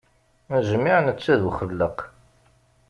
Jmiɛ netta d uxellaq.